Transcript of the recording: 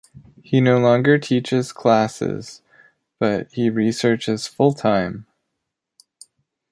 He no longer teaches classes, but he researches full-time.